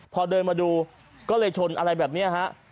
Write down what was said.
พอเดินมาดูก็เลยชนอะไรแบบนี้ฮะ